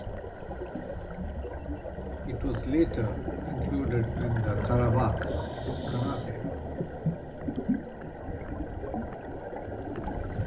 It was later included in the Karabakh Khanate.